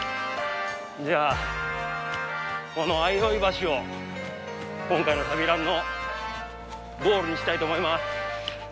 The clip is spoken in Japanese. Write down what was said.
じゃあこの相生橋を今回の「旅ラン」のゴールにしたいと思います。